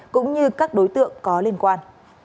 cũng như các đối tượng có liên quan